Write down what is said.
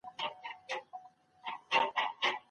زما او ستا دوستان به زموږ څخه بېزاره سي.